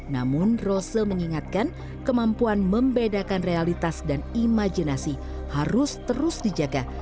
namun rose mengingatkan kemampuan membedakan realitas dan imajinasi harus terus dijaga